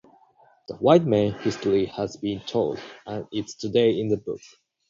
The white man history has been told and it's today in the book.